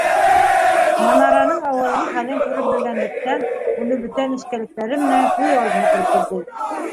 Манараның әүәлге хәлен күреп белгәнлектән, уны бөтә нескәлектәре менән күҙ алдына килтерҙе.